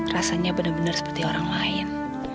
rasanya benar benar seperti orang lain